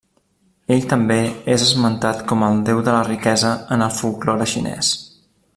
Ell també és esmentat com el Déu de la Riquesa en el folklore xinès.